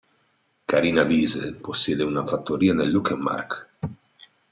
Carina Wiese possiede una fattoria nell'Uckermark.